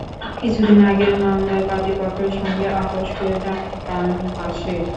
কিছুদিন আগে মামলার বাদী পক্ষের সঙ্গে আপস করে জামিন পান হাসের।